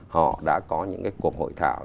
họ đã có những cái cuộc hội thảo